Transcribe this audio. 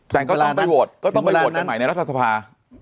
แต่ก็ต้องไปโหวตกันใหม่ในรัฐสภา